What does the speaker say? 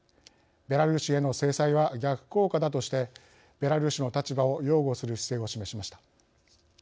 ベラルーシへの制裁は逆効果だとしてベラルーシの立場を擁護する姿勢を示しました。